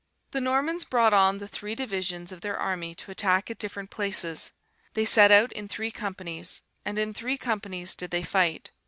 "The Normans brought on the three divisions of their army to attack at different places. They set out in three companies, and in three companies did they fight.